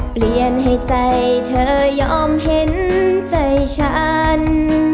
เปลี่ยนให้ใจเธอยอมเห็นใจฉัน